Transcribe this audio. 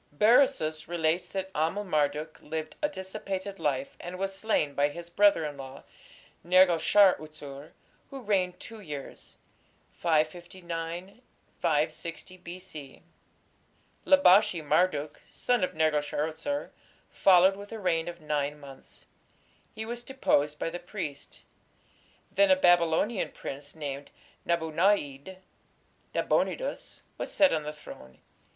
Berosus relates that Amel Marduk lived a dissipated life, and was slain by his brother in law, Nergal shar utsur, who reigned two years (559 6 B.C.). Labashi Marduk, son of Nergal shar utsur, followed with a reign of nine months. He was deposed by the priests. Then a Babylonian prince named Nabu na´id (Nabonidus) was set on the throne.